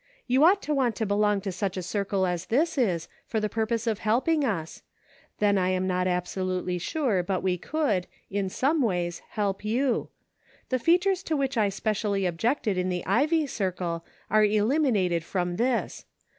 You ought to want to belong to such a circle as this is, for the purpose of helping us ; then I am not absolutely sure but we could, in some ways, help you. The features to which I specially objected in the Ivy Circle are eliminated from this.